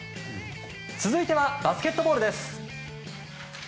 続いてはバスケットボールです。